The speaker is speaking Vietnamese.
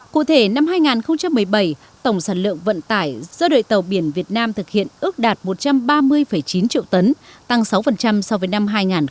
cụ thể năm hai nghìn một mươi bảy tổng sản lượng vận tải do đội tàu biển việt nam thực hiện ước đạt một trăm ba mươi chín triệu tấn tăng sáu so với năm hai nghìn một mươi bảy